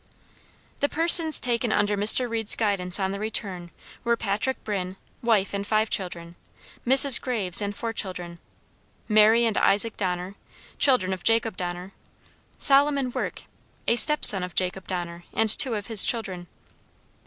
The persons taken under Mr. Reed's guidance on the return, were Patrick Brinn, wife and five children; Mrs. Graves, and four children; Mary and Isaac Donnor, children of Jacob Donner; Solomon Work, a stepson of Jacob Donner, and two of his children.